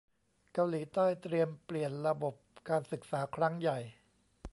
เกาหลีใต้เตรียมเปลี่ยนระบบการศึกษาครั้งใหญ่